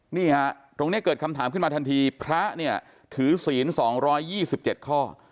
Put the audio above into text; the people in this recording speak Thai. นี่ฮะตรงนี้เกิดคำถามขึ้นมาทันทีพระเนี่ยถือศีล๒๒๗ข้อ